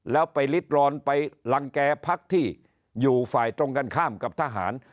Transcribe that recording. แล้วไปริดร้อนไปรังแก่พักที่อยู่ฝ่ายตรงกันข้ามกับทหาร